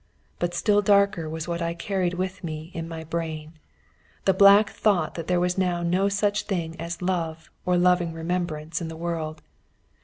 But still darker was what I carried with me in my brain the black thought that there was now no such thing as love or loving remembrance in the world.